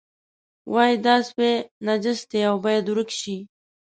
وایي دا سپی نجس دی او باید ورک شي.